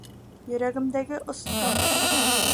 ЙӨРӘГЕМДӘГЕ ОСҠОН